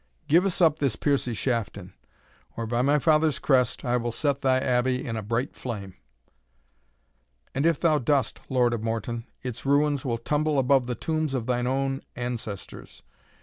Give us up this Piercie Shafton, or by my father's crest I will set thy Abbey in a bright flame!" "And if thou dost, Lord of Morton, its ruins will tumble above the tombs of thine own ancestors.